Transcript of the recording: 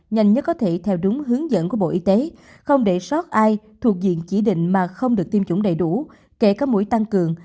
nhanh nhất có thể theo đúng hướng dẫn của bộ y tế không để sót ai thuộc diện chỉ định mà không được tiêm chủng đầy đủ kể các mũi tăng cường